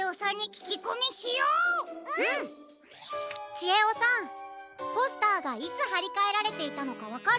ちえおさんポスターがいつはりかえられていたのかわかる？